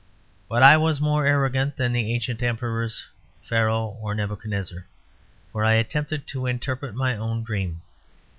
But I was more arrogant than the ancient Emperors Pharaoh or Nebuchadnezzar; for I attempted to interpret my own dream.